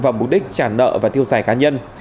vào mục đích trả nợ và thiêu sài cá nhân